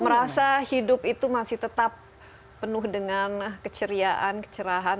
merasa hidup itu masih tetap penuh dengan keceriaan kecerahan